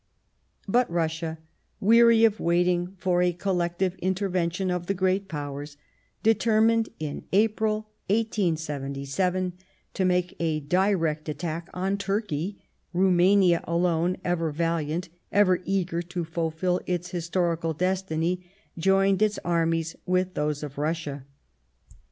But Russia, weary of waiting for a collective in tervention of the Great Powers, determined, in April 1877, to make a direct attack on Turkey ; Rumania alone, ever valiant, ever eager to fulfil its historical destiny, joined its armies with those of Russia.